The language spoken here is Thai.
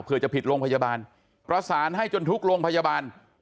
เพื่อจะผิดโรงพยาบาลประสานให้จนทุกโรงพยาบาล